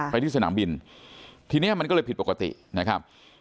ไปที่สนามบินทีนี้มันก็เลยผิดปกตินะครับ